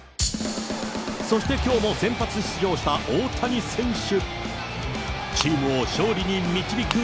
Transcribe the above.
そしてきょうも先発出場した大谷選手。